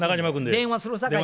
電話するさかい。